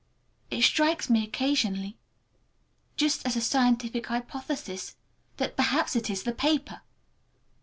It strikes me occasionally, just as a scientific hypothesis, that perhaps it is the paper!